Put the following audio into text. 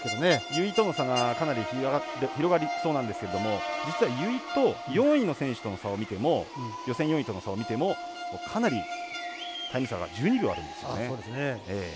由井との差がかなり広がりそうなんですけれども実は由井と予選４位の選手との差を見てもかなりタイム差が１２秒あるんですね。